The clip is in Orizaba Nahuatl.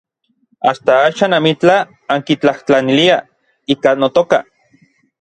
Asta axan amitlaj ankitlajtlaniliaj ika notoka.